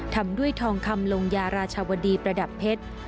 ทำด้วยทองคำลงยาราชวดีประดับเพชร